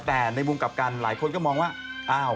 แต่ในวงกลับกันหลายคนก็มองว่า